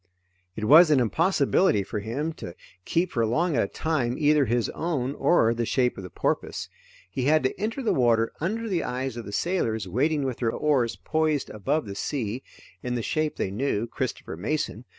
It was an impossibility for him to keep for long at a time, either his own, or the shape of the porpoise. He had to enter the water under the eyes of the sailors waiting with their oars poised above the sea, in the shape they knew; Christopher Mason.